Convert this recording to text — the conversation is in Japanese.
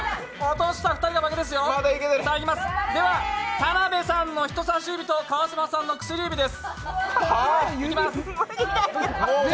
田辺さんの人さし指と川島さんの薬指です。